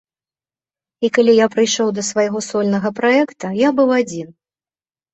І калі я прыйшоў да свайго сольнага праекта, я быў адзін.